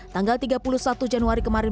tanggal tiga puluh satu januari kemarin